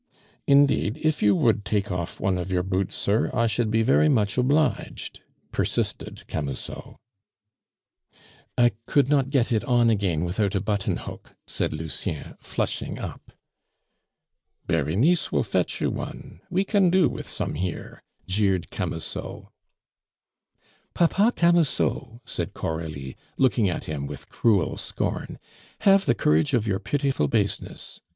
"Indeed, if you would take off one of your boots, sir, I should be very much obliged," persisted Camusot. "I could not get it on again without a button hook," said Lucien, flushing up. "Berenice will fetch you one; we can do with some here," jeered Camusot. "Papa Camusot!" said Coralie, looking at him with cruel scorn, "have the courage of your pitiful baseness.